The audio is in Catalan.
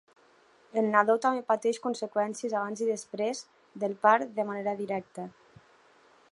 El nadó també pateix conseqüències abans i després del part de manera directa.